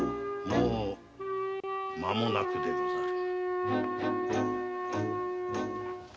もう間もなくでござる。